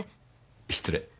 失礼。